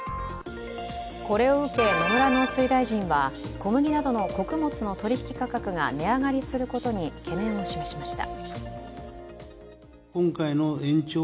これを受け野村農水大臣は小麦などの穀物の取引価格が値上がりすることに懸念を示しました。